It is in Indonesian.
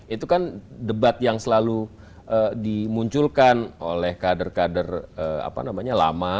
itu kan debat yang selalu dimunculkan oleh kader kader lama